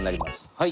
はい。